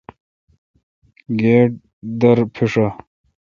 گیٹ در پیݭہ۔